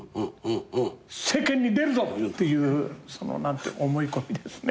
世間に出るぞ！っていうその何ていう思い込みですね。